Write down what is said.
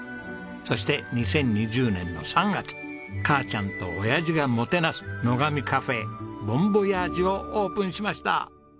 そして２０２０年の３月母ちゃんと親父がもてなす「野上カフェ母ん母親父」をオープンしました。